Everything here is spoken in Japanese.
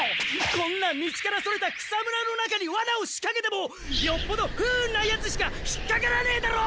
こんな道からそれた草むらの中にワナをしかけてもよっぽど不運なヤツしか引っかからねえだろ！